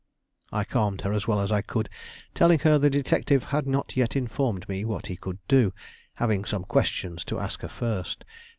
I calmed her as well as I could, telling her the detective had not yet informed me what he could do, having some questions to ask her first.